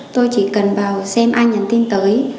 tôi chỉ cần vào xem ai nhắn tin tới